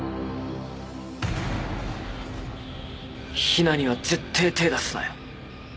ヒナには絶対手出すなよ。